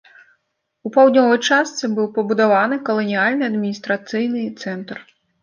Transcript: У паўднёвай частцы быў пабудаваны каланіяльны адміністрацыйны цэнтр.